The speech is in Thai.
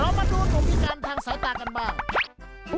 มาดูศพพิการทางสายตากันบ้าง